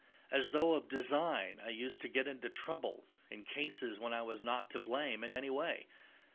As though of design I used to get into trouble in cases when I was not to blame in any way.